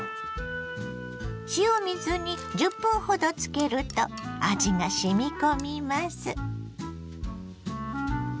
塩水に１０分ほどつけると味がしみ込みます。